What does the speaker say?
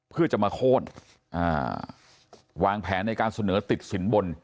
เพื่อจะมาโค้นวางแผนในการเสนอติดสินบน